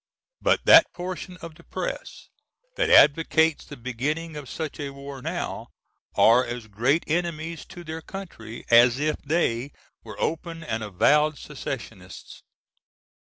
But that portion of the press that advocates the beginning of such a war now, are as great enemies to their country as if they were open and avowed secessionists.